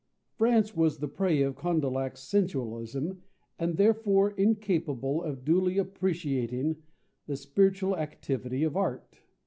France was the prey of Condillac's sensualism, and therefore incapable of duly appreciating the spiritual activity of art.